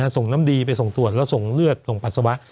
ส่งน้ำดีไปส่งตรวจแล้วส่งเลือดส่งปัสสาวะ